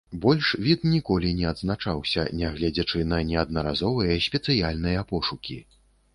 Больш від ніколі не адзначаўся, нягледзячы на неаднаразовыя спецыяльныя пошукі.